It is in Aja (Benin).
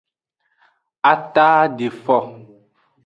A taadefo.